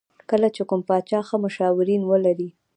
کله چې کوم پاچا ښه مشاورین ولري.